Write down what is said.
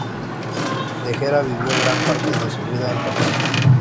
Tejera vivió gran parte de su vida en París.